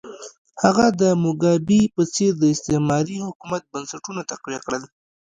هغه د موګابي په څېر د استعماري حکومت بنسټونه تقویه کړل.